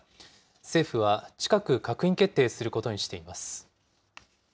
政府は近く閣議決定することにしています。